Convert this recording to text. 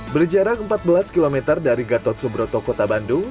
berjarak empat belas km dari gatot subroto kota bandung